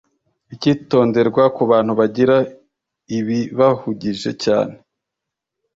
Icyitonderwa ku Bantu Bagira Ibibahugije Cyane